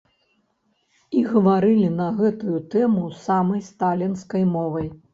І гаварылі на гэтую тэму самай сталінскай мовай.